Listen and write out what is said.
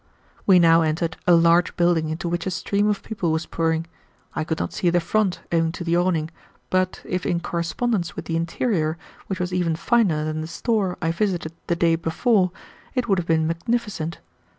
We now entered a large building into which a stream of people was pouring. I could not see the front, owing to the awning, but, if in correspondence with the interior, which was even finer than the store I visited the day before, it would have been magnificent.